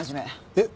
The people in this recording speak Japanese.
えっ？